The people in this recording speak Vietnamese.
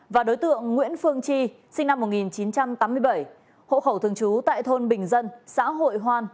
và đối tượng nguyễn phương chi sinh năm một nghìn chín trăm tám mươi bảy hộ khẩu thường trú tại thôn bình dân xã hội hoan